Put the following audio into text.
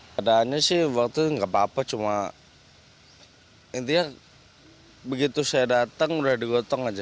keadaannya sih waktu itu nggak apa apa cuma intinya begitu saya datang udah digotong aja